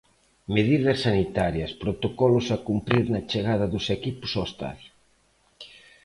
Medidas sanitarias, protocolos a cumprir na chegada dos equipos ao estadio.